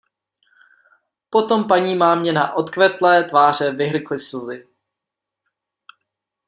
Potom panímámě na odkvetlé tváře vyhrkly slzy.